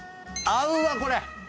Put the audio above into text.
合うわ、これ。